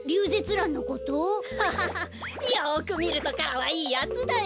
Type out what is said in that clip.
ハハハよくみるとかわいいやつだよ。